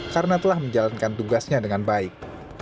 karena telah menjalankan tugasnya dengan baik